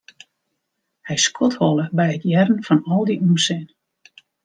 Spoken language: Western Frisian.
Hy skodholle by it hearren fan al dy ûnsin.